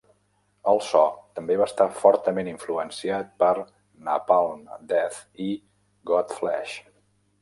El so també va estar fortament influenciat per Napalm Death i Godflesh.